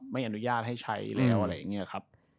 ไม่อนุญาตให้ใช้แล้วอะไรอย่างนี้ครับ